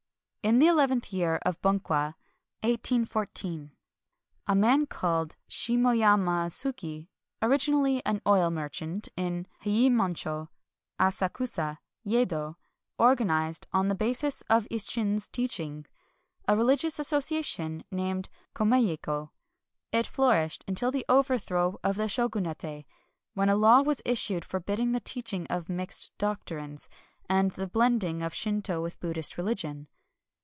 ... In the eleventh year of Bunkwa (1814) a man called Shi moyama Osuk^, originally an oil merchant in Heiyemon cho, Asakusa, Yedo, organized, on the basis of Isshin's teaching, a religious association named Tomoy^ Ko. It flourished until the overthrow of the Shogunate, when a law was issued forbidding the teaching of mixed doctrines, and the blending of Shinto with Buddhist religion.